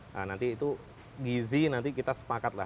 nah nanti itu gizi nanti kita sepakat lah